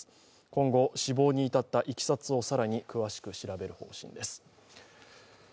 今後、死亡に至ったいきさつを更に詳しく調べる方針です。